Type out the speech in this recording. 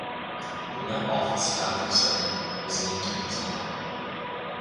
The Met Office Hadley Centre was named in his honour.